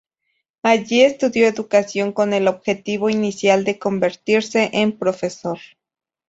Allí, estudió educación con el objetivo inicial de convertirse en profesor.